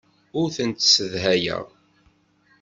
Ur tent-ssedhayeɣ.